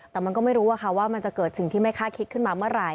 แต่มันก็ไม่รู้ว่ามันจะเกิดสิ่งที่ไม่คาดคิดขึ้นมาเมื่อไหร่